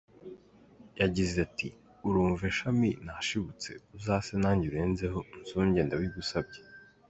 Yagize Ati “Urumve shami nashibutse, uzase nanjye urenzeho, unsumbye ndabigusabye.